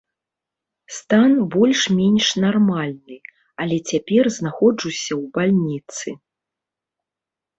Стан больш-менш нармальны, але цяпер знаходжуся ў бальніцы.